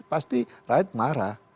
pasti rakyat marah